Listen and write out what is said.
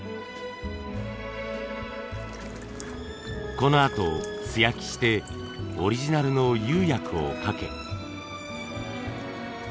このあと素焼きしてオリジナルの釉薬をかけ。